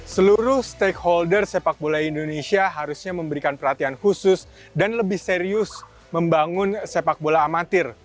seluruh stakeholder sepak bola indonesia harusnya memberikan perhatian khusus dan lebih serius membangun sepak bola amatir